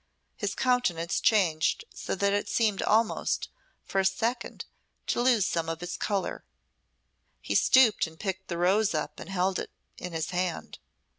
His countenance changed so that it seemed almost, for a second, to lose some of its colour. He stooped and picked the rose up and held it in his hand.